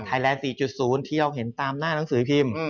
แลนด๔๐ที่เราเห็นตามหน้าหนังสือพิมพ์